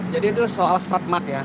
jadi itu soal stratmat ya